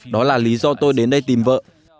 đó là lý do tôi đến đây tìm vợ